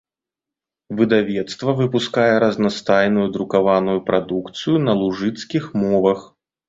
Выдавецтва выпускае разнастайную друкаваную прадукцыю на лужыцкіх мовах.